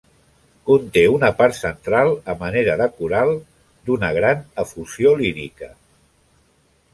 Conté una part central a manera de coral, d'una gran efusió lírica.